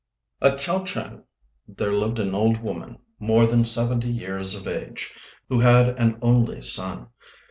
At Chao ch'êng there lived an old woman more than seventy years of age, who had an only son.